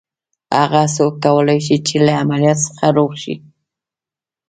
هغه څنګه کولای شي چې له عمليات څخه روغ شي.